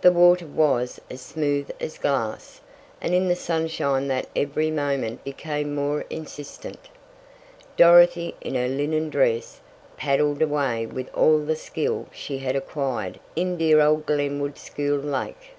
The water was as smooth as glass, and in the sunshine that every moment became more insistant, Dorothy, in her linen dress, paddled away with all the skill she had acquired in dear old Glenwood School lake.